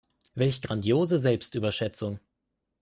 Welch grandiose Selbstüberschätzung.